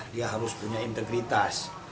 dia harus punya integritas